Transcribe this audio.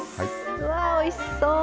うわおいしそう！